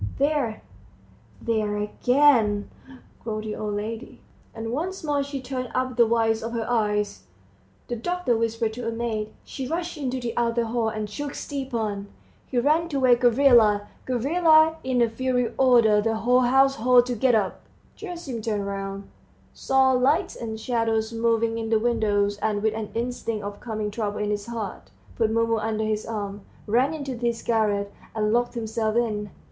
"There ... there ... again," groaned the old lady, and once more she turned up the whites of her eyes. The doctor whispered to a maid, she rushed into the outer hall, and shook Stepan, he ran to wake Gavrila, Gavrila in a fury ordered the whole household to get up. Gerasim turned round, saw lights and shadows moving in the windows, and with an instinct of coming trouble in his heart, put Mumu under his arm, ran into his garret, and locked himself in.